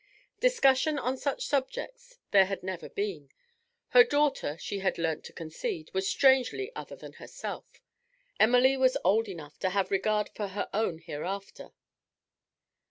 Discussion on such subjects there had never been. Her daughter, she had learnt to concede, was strangely other than herself; Emily was old enough to have regard for her own hereafter.